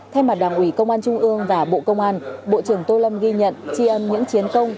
thay mặt đảng ủy công an trung ương và bộ công an bộ trưởng tô lâm ghi nhận tri ân những chiến công